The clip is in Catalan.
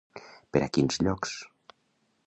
Per a quins llocs?